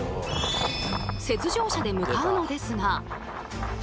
雪上車で向かうのですが−